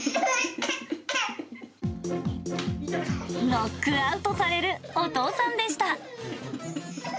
ノックアウトされるお父さんでした。